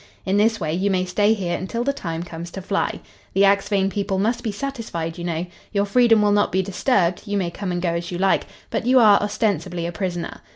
In this way you may stay here until the time comes to fly. The Axphain people must be satisfied, you know. Your freedom will not be disturbed; you may come and go as you like, but you are ostensibly a prisoner.